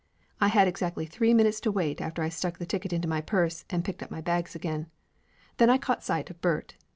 I had ex actly three minutes to wait after I stuck the ticket into my purse and picked my bags up again. Then I caught sight of Bert.